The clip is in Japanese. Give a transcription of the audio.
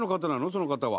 その方は。